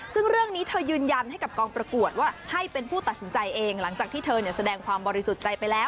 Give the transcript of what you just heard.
ซึ่งเรื่องนี้เธอยืนยันให้กับกองประกวดว่าให้เป็นผู้ตัดสินใจเองหลังจากที่เธอแสดงความบริสุทธิ์ใจไปแล้ว